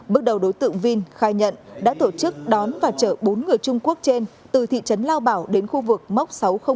bước đầu đối tượng vinh khai nhận đã tổ chức đón và chở bốn người trung quốc trên từ thị trấn lao bảo đến khu vực móc sáu trăm linh một